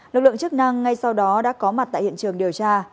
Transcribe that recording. lực lượng chức năng ngay sau đó đã có mặt tại hiện trường điều tra